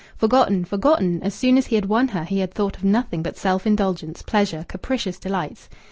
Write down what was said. Forgotten! Forgotten! As soon as he had won her he had thought of nothing but self indulgence, pleasure, capricious delights.